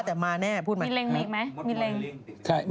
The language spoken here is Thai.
แต่มาแน่พูดใหม่